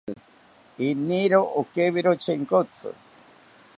Iniro okiwiro Chenkotzi